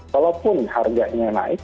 walaupun harganya naik